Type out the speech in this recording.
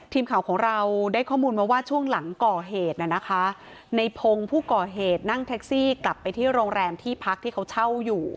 ทีมข่าวของเราได้ข้อมูลมาว่าช่วงหลังก่อเหตุน่ะนะคะในพงศ์ผู้ก่อเหตุนั่งแท็กซี่กลับไปที่โรงแรมที่พักที่เขาเช่าอยู่